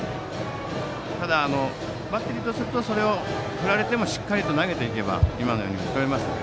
ただ、バッテリーとするとそれを振られてもしっかりと投げていけば今のように打ち取れますから。